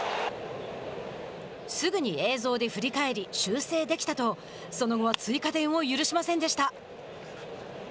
すぐに映像で振り返り修正できたとその後は追加点を許しませんでした。